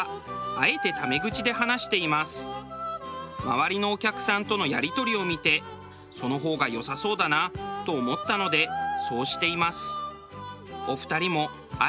周りのお客さんとのやり取りを見てその方が良さそうだなと思ったのでそうしています。